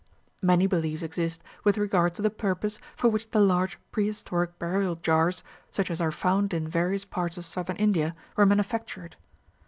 Many beliefs exist with regard to the purpose for which the large prehistoric burial jars, such as are found in various parts of Southern India, were manufactured.